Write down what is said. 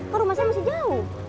kok rumah saya masih jauh